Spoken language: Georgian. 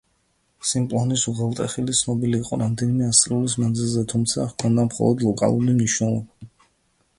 სიმპლონის უღელტეხილი ცნობილი იყო რამდენიმე ასწლეულის მანძილზე, თუმცა ჰქონდა მხოლოდ ლოკალური მნიშვნელობა.